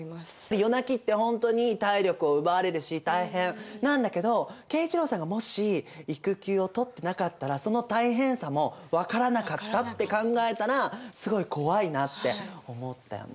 夜泣きってほんとに体力を奪われるし大変なんだけど慶一郎さんがもし育休を取ってなかったらその大変さも分からなかったって考えたらすごい怖いなって思ったよね。